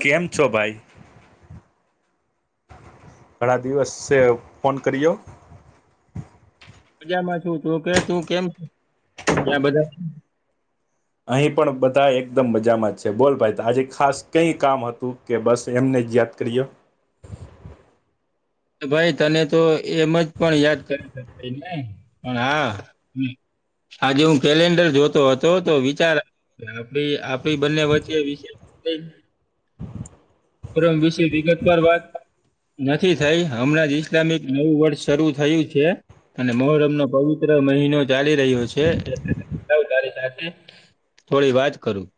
કેમ છો ભાઈ? ઘણા દિવસે ફોન કર્યો. મજા માં છું, તું કે તું કેમ ત્યાં બધા અહીં પણ બધા એકદમ મજામાં જ છે, બોલ ભાઈ આજે ખાસ કઈ કામ હતું? કે બસ એમને જ યાદ કરી્યો? ભાઈ તને તો એમ જ પણ યાદ કરી શક ને પણ, હા આજે હું કેલેન્ડર જોતો હતો, તો વિચાર આપડી ભ બંને વચ્ચે વિશે મ વિશે વિગતવાર વાત નથી. થઈ, હમણાં જ ઈસ્લામિક નવું વર્ષ શરૂુ થયું છે. અને મોરમ નો પવિત્ર મહિનો ચાલી રહ્યો છે, સાથે થોડી વાત કરું.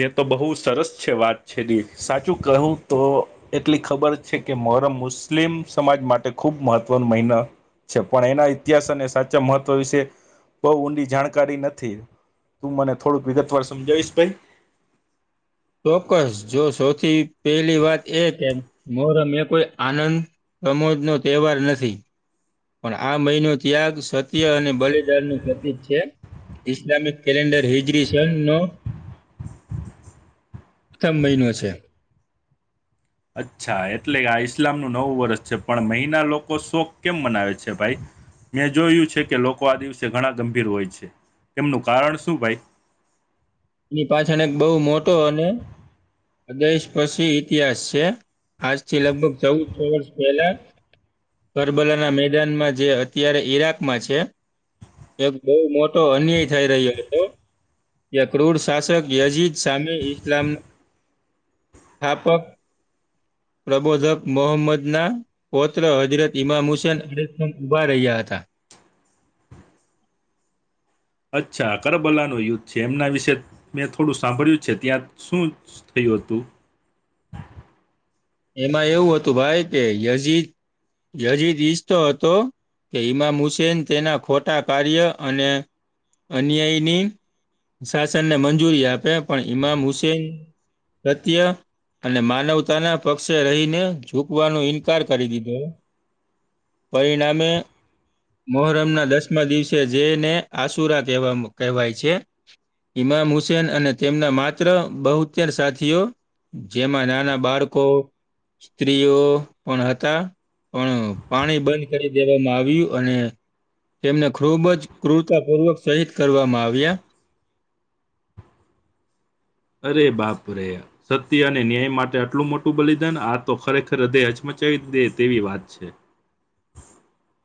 તે તો બહુ સરસ છે, વાત છે, દ સાચું કહું તો એટલી ખબર છે કે, મોહરમ મુસ્લિમ સમાજ માટે ખૂબ મહત્વનો મહિનો છે પણ, એના ઇતિહાસ અને સાચા મહત્વ વિશે બહુ ઊંડી જાણકારી નથી. તું મને થોડુંક વિગતવાર સમજાવીશ ભાઈ. ચોક્કસ જો સૌથી પહેલી વાત એ કે મોર એ કોઈ આનંદ પ્રમોજનો તહેવાર નથી. પણ, આ મહિનો ત્યાગ સત્ય અને બલિદાન નું પ્રતિક છે. ઇસ્લામિક કેલેન્ડર હિજરી છે નો. [inaudible] પ્રથમ મહિનો છે. અચ્છા એટલે આ ઈસ્લામનું નવું વર્ષ છે પણ, મહિના લોકો શોખ કેમ મનાવે છે? ભાઈ. મેં જોયું છે કે, લોકો આ દિવસે ઘણા ગંભીર હોય છે, તેમનું કારણ શું ભાઈ? એની પાછળ એક બહુ મોટો અને દેશ પછી ઇતિહાસ છે, આજ થી લગભગ ચૌદ છ વર્ષ પહેલા કરબલાના મેદાનમાં જે અત્યારે ઈરાકમાં છે. એક બહુ મોટો અન્યાય થઈ રહ્યો છે. યક્રૂર શાસક યજીત શામે ઈસ્લામ, સ્થાપક પ્રબોધક મોહમ્મદના. પૌત્ર હજરત ઈમામ હુસેન [inaudible] ઊભા રહ્યા હતા. અચ્છા કરબલા નું યુદ્ધ છે એમના વિશે મેં થોડું સાંભળ્યું છે ત્યાં શું. થયુ હતું. એમાં એવું હતું ભાઈ કે યજી યજીદ ઈશતો હતો. કે ઈમામ હુસેૈન તેના ખોટા કાર્ય અને અન્યાયની, શાસનને મંજૂરી આપે પણ ઈમામ હુસેન, સત્ય અને માનવતાના, પક્ષે રહીને ઝૂકવાનો ઈન્કાર કરી દીધો. પરિણામે, મોહરમ ના દસમા દિવસે જેને આસુરા કહેવા કહેવાય છે. ઈમામ હુસેન અને તેમના માત્ર બહુતેર સાથીઓ, જેમાં નાના બાળકો, સ્ત્રીઓ પણ હતા. પણ પાણી બંધ કરી દેવામાં આવ્યું અને, તેમને ખુબ જ ક્રૂરતાપૂર્વક શહીત કરવામાં આવ્યા. અરે બાપ રે, સત્ય અને ન્યાય માટે આટલું મોટું બલિદાન આ તો ખરેખર હૃદય હચમચાવી દે તેવી વાત છે.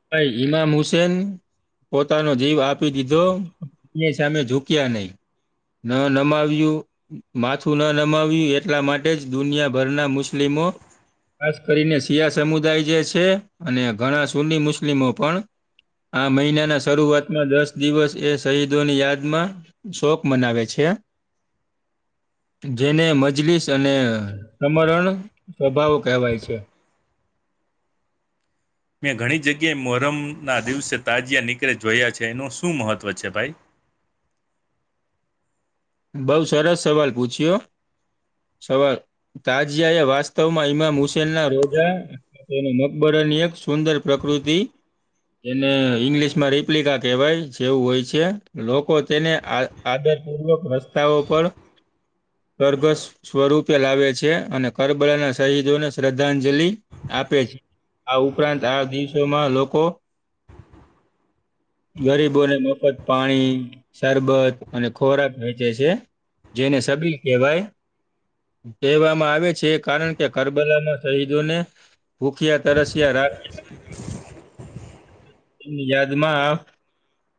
ભાઈ ઇમામ હુસેન, પોતાનો જીવ આપી દીધો, એની સામે ઝુક્યા નહી. ન નમા આવ્યું. માથું ન નમાવ્યું એટલા માટે જ દુનિયાભરના મુસ્લિમો, ખાસ કરીને શિયા સમુદાય જે છે અને ઘણા સુની મુસ્લિમો પણ, આ મહિનાના શરૂઆતમાં દસ દિવસ એ શહીદોની યાદમાં, શોક મનાવે છે. જેને મજલીસ અને સમરણ સ્વભાવ કહેવાય છે. મેં ઘણી જગ્યાએ મોહરમ ના દિવસે તાજીયા નીકળે જોયા છે એનું શું મહત્વ છે ભાઈ, બઉ સરસ સવાલ પૂછ્યો સવાલ, તાજિયા એ વાસ્તવમાં ઈમામ હુસેન ના રોજા, તે મકબરની એક સુંદર પ્રકૃતિ એને ઈંગ્લિશમાં રિપ્લિકા કહેવાય જેવું હોય છે. લોકો તેને આ આદરપૂર્વક રસ્તાઓ પર- કરગસ સ્વરૂપે લાવે છે અને કરબળના શહીદોને શ્રદ્ધાંજલિ, આપે છે આ ઉપરાંત આ દિવસોમાં લોકો- ગરીબોને મફત પાણી સરબત અને ખોરાક જે છે જેને સબી કહેવાય. કહેવામાં આવે છે કારણ કે કરબલામાં શહીદોને, ભૂખિયા તરસિયા રાખી ન [inaudible] યાદમાં,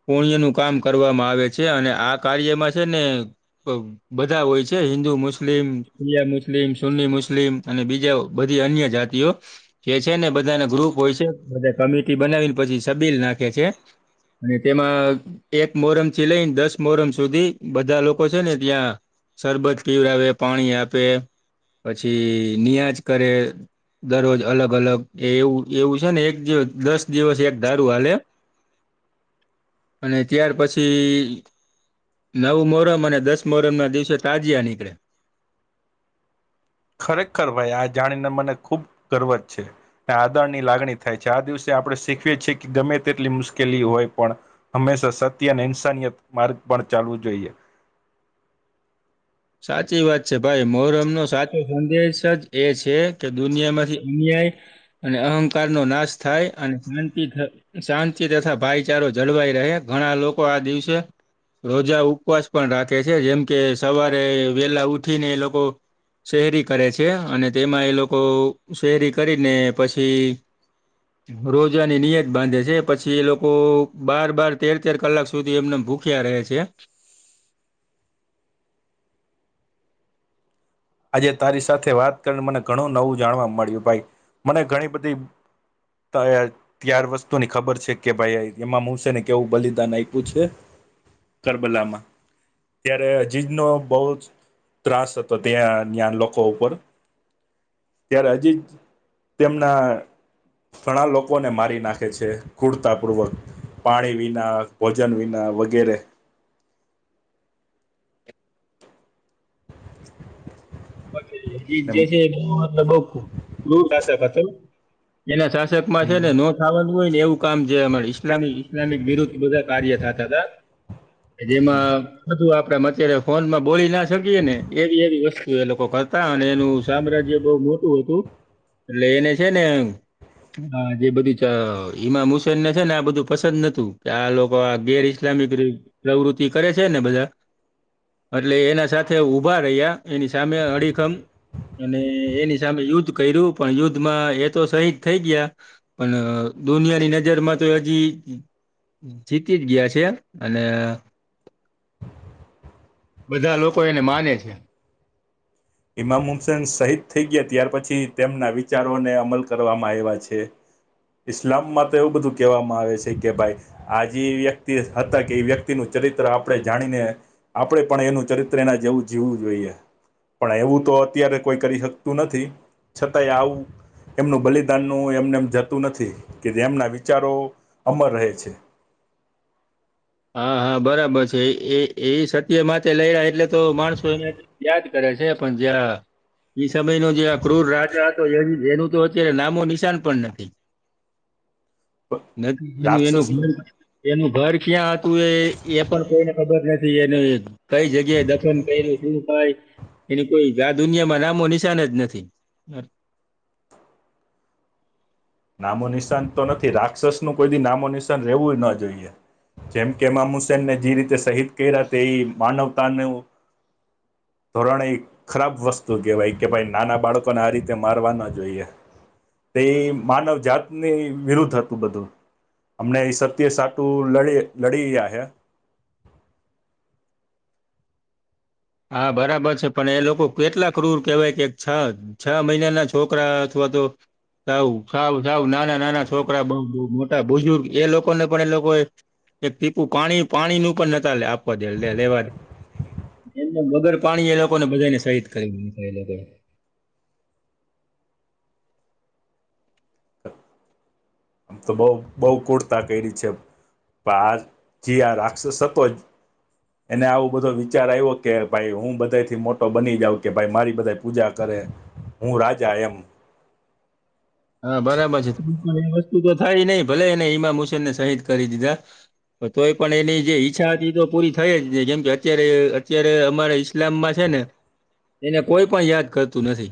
પુણ્ય નું કામ કરવામાં આવે છે અને આ કાર્યમાં છે- ને, બધા હોય છે હિન્દુ મુસ્લિમ સિયા, મુસ્લિમ સુન્ની મુસ્લિમ અને બીજા, બધી અન્ય જાતિઓ, કે જે છે ને બધાને ગ્રુપ હોય છે બધ કમિટી બનાવીને પછી સબીલ નાખે છે, અને તેમાં એક મોહરમ થી લઈને દસ મોહરમ સુધી. બધા લોકો છે ને ત્યાં, સરરબત પીવડાવે પાણી આપે. પછી નિયાજ કરે. દરરોજ અલગ અલગ એ એવું એવું છે ને એક દસ દિવસ એક દારૂ હાલે [inaudible] અને ત્યાર પછી નવું મોરમ અને દસ મોરમ ના દિવસે તાજયા નીકળે. ખરેખર ભાઈ આ જાણીને મને ખુબ ગર્વ જ છે. આદરણ ની લાગણી થાય છે આ દિવસે આપણે શીખીએ છીએ કે ગમે તેટલી મુશ્કેલી હોય પણ હંમેશા સત્ય અને ઇન્સાનયત માર્ગ પણ ચાલવું જોઈએ. સાચી વાત છે ભાઈ મોર એમનો સાચો સંદેશ જ એ છે કે દુનિયા માંથી અન્યાય અને અહંકાર નો નાશ થાય અને શાંતિબનૈ શાંતિ તથા ભાઈચારો જળવાઈ રહે ઘણા લોકો આ દિવસે રોજા ઉપવાસ પણ રાખે છે જેમ કે સવારે વેલા ઉઠીને એ લોકો શહેરી કરે છે અને તેમાં એ લોકો શહેરી કરીને પછી જ [inaudible] રોજાની નિયત બાંધે છે પછી એ લોકો બાર બાર તેર તેર કલાક સુધી એમને ભૂખ ક્યાં રહે છે? આજે તારી સાથે વાત કરીને મને ઘણું નવું જાણવા મળ્યું ભાઈ, મને ઘણી બધી ત [unintelligible] ત્યાર વસ્તુ ની ખબર છે કે ભાઈ એમાંમ હશે ને કેવું બલિદાન આપ્યું છે. કરબલામાં, ત્યારે હજીજ નો બહુ જ ત્રાસ હતો. ત્યાં જ્ઞાન લોકો ઉપર ત્યારે હજી તેમના ઘણા લોકોને મારી નાખે છે કૂરતાપૂર્વક. પાણી વિના ભોજન વિના વગેરે. [inaudible] જે છેત બ એના [unintelligible] માં છે ને નો થાવાનું હોય ને એવું કામ છે ઈસ્લામિક ઈસ્લામિક વિરુદ્ધ બધા કાર્ય થતા હતા. જેમાં બધું આપડે અત્યારે ફોનમાં બોલી ના શકીએે ને, એવી એવી વસ્તુ એ લોકો કર હતા અને એનું સામ્રાજ્ય બહ મોટું હતું, એટલે એને છે ને હા જે બધું ઈમામ હુસેનને છે ને આ બધું પસંદ નતું, કે આ લોકો આ ઘેરી ઇસ્લામિક પ્રવૃત્તિ કરે છે ને બધા. એટલે એના સાથે ઉભા રહ્યા એની સામે અડી મ અને એની સામે યુદ્ધ કર્યું પણ યુદ્ધમાં એ તો સહીજ થઈ ગયા. પણ દુનિયાની નજરમાં તો હજી જીતી જ ગયા છે, અને બધા લોકો એને માને છે. ઈમામ હુમસેન શહીદ થઈ ગયા ત્યાર પછી તેમના વિચારોને અમલ કરવામાં આવ્યા છે. ઇસ્લામમાં તો એવું બધું કહેવામાં આવે છે કે ભાઈ. આ જે વ્યક્તિ હતા કે એ વ્યક્તિનું ચરિત્ર આપણે જાણીને આપણે પણ એનું ચરિત્ર એના જેવું જીવું જોઈએ. પણ એવું તો અત્યારે કોઈ કરી શકતું નથી, છતાંય આવું એમનું બલિદાનનું એમને એમ જતું નથી, કે જે એમના વિચારો અમર રહે છે. હા હા બરાબર છે એ એ સત્ય માટે લઈ રહ એટલે તો માણસો એને યાદ કરે છે પણ જ્યાં એઈ સમય ન જે આ ક્રૂર રાજા હતો એ એનું તો અત્યારે નામો નિશાન પણ નથી. નથી એનું એનું રાક્ષસ ઘ એનું ઘર ક્યાં [unintelligible] એ પણ કોઈને ખબર નથી એને કઈ જગ્યાએ દર્શન કયરુ શું થાય એની કોઈ આ દુનિયામાં નામો નિશાન જ નથી નામો નિશાન તો નથી રાક્ષસનું કોઈ દિ નામો નિશાન રહેવું ન જોઈએ જેમ કેમામ હુસેનને જે રીતે શહીદ કર્યા તે એ માનવતાનું ધોરણે ખરાબ વસ્તુ કહેવાય કે ભાઈ નાના બાળકોને આ રીતે મારવા ના જોઈએ તે માનવ જાતની વિરુદ્ધ હતું બધું અમણે સત્ય સાટું લડી લડી રહયા હે હા બરાબર છે, પણ એ લોકો કેટલા ક્રૂર કેહેવાય કે છ છ મહિનાના છોકરા અથવા તો સાવ સાવ સાવ નાના નાના છોકરા બ મોટા બુજુર્ગ એ લોકોને પણ એ લોકોએ એક ટીપું પાણી પાણી નું પણ નતા આપવા દે લે લેવા દે એમને વગર પાણી એ લોકોને બધાને શહીદ કરી દે એ લોકોએ આમ તો બો બો કુર્તા કયરી છે. બાર જે આ રાક્ષસ હતો એને આવો બધો વિચાર આવ્યો કે ભાઈ હું બધાથી મોટો બની જાઉં કે ભાઈ મારી બધે પૂજા કરે હું રાજા એમ હ બરાબર છે, [unintelligible] એ વસ્તુ તો થાય ને ભલે એને હઈમામ હુસેન ને શહીદ કરી દીધા તોય પણ એની જે ઈચ્છા હતી એ તો પૂરી થઈ જ જેમ કે અત્યારે અત્યારે અમારે લામ્બા છે, ને એને કોઈ પણ યાદ કરતું નથી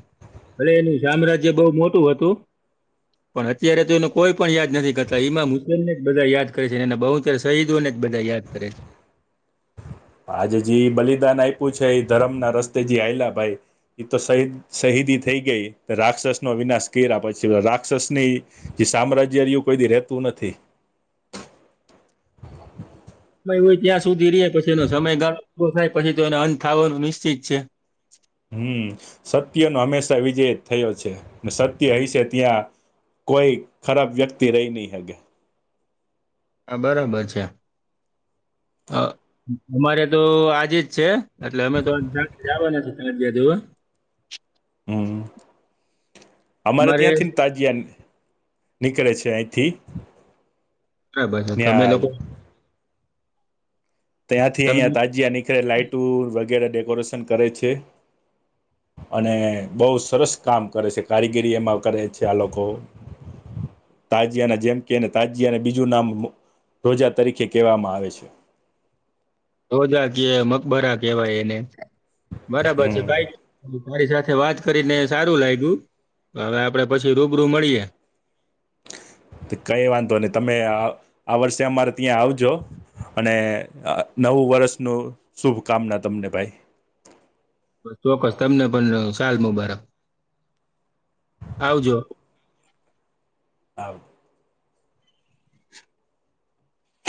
ભલે એનું સામ્રાજ્ય બો મોટું હતું પણ અત્યારે તો એને કોઈ પણ યાદ નથી કરતા ઈમામુસ્લમ ને જ બધા યાદ કરે છે, અને બહાદુર શહીદોને જ બધા યાદ કરે આજે જે બલિદાન આપ્યું છે, ધરમ ના રસ્તે જે હાલ્યા ભાઈ એ તો શહીદ શહીદી થઈ ગઈ રાક્ષસનો વિનાશ કર્યા પછી રાક્ષસની જે સામ્રાજ્ય રયુ કોઈનું રેતું નથી સમય હોય ત્યાં સુધી રે પછીનો સમયગાળો પૂરો થાય પછી તો એનો અંત થવાનો નિશ્ચિત છે. હમ સત્યનો હંમેશા વિજય થયો છે, સત્ય હયસે ત્યાં કોઈ ખરાબ વ્યક્તિ રહી ની હગે હા બરાબર છે, અ અમારે તો આજે જ છે, અટલે અમે તો જાવાના છે [unintelligible] જોવા હમ્મ અમારે ત્યાંથીને તા જેમ નીકળે છે, અહીંથી બરાબર તમે ત્યાં લોકો ત્યાંથી તમે અહીંયા તાજીયા નીકળે લાઈટું વગેરે ડેકોરેશન કરે છે. અને બો સરસ કામ કરે છે, કારીગીરી એમાં કરે છે, આ લોકો હમ્મ તાજીયાના જેમ કે ને તાજીયાનું બીજું નામ રોજા તરીકે કહેવામાં આવે છે. રોજા કે મકબરા કહેવાય એને બરાબર છે, હમ ભાઈ તારી સાથે વાત કરીને સારું લાગ્યું હવે આપડે પછી રૂબરૂ મળીએે તે કઈ વાંધો નહી તમે આ વર્ષે અમારે ત્યાં આવજો અને નવું વર્ષનું શુભકામના તમને ભાઈ ચોક્કસ તમને પણ સાલ મુબારક આવજો આવ